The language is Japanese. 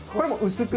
薄く。